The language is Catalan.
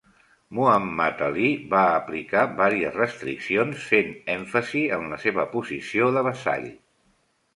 Muhammad Ali va aplicar vàries restriccions fent èmfasi en la seva posició de vassall.